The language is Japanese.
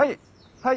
はい。